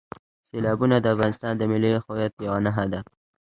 سیلابونه د افغانستان د ملي هویت یوه نښه ده.